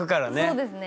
そうですね。